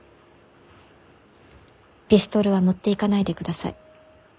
ピストルは持っていかないでください。